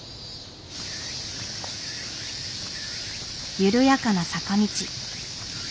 緩やかな坂道。